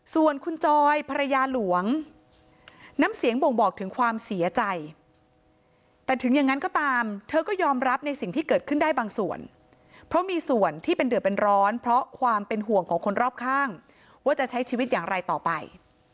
ส่วนคุณจอยภรรยาหลวงน้ำเสียงบ่งบอกถึงความเสียใจแต่ถึงอย่างนั้นก็ตามเธอก็ยอมรับในสิ่งที่เกิดขึ้นได้บางส่วนเพราะมีส่วนที่เป็นเดือดเป็นร้อนเพราะความเป็นห่วงของคนรอบข้างว่าจะใช้ชีวิตอย่างไรต่อไป